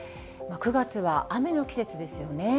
９月は雨の季節ですよね。